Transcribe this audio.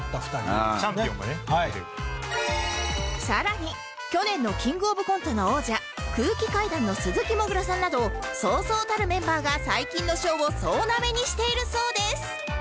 さらに去年のキングオブコントの王者空気階段の鈴木もぐらさんなどそうそうたるメンバーが最近の賞を総なめにしているそうです